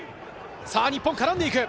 日本、絡んでいく。